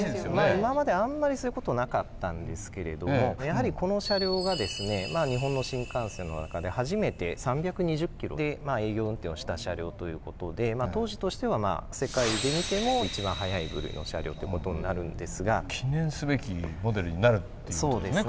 今まであんまりそういう事なかったんですけれどもやはりこの車両がですね日本の新幹線の中で初めて３２０ｋｍで営業運転をした車両という事で当時としては世界で見ても一番速い部類の車両って事になるんですが。記念すべきモデルになるっていう事ですね。